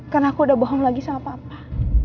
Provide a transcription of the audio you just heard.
karena aku udah bohong lagi sama papa